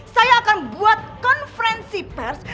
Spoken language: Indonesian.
saya akan buat konferensi pers